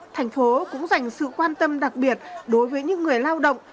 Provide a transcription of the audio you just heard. thành phố cũng dành sự quan tâm đặc biệt đối với những người lao động